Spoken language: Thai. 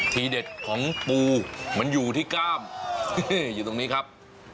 ทีเด็ดของปูมันอยู่ที่กล้ามอยู่ตรงนี้ครับ